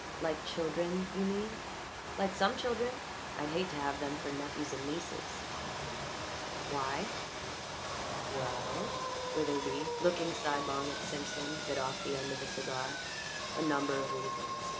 "Like children, you mean?" "Like some children. I'd hate to have them for nephews and nieces." "Why?" "We ell" Witherbee, looking sidelong at Simpson, bit off the end of a cigar "a number of reasons.